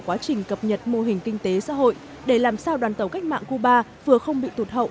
quá trình cập nhật mô hình kinh tế xã hội để làm sao đoàn tàu cách mạng cuba vừa không bị tụt hậu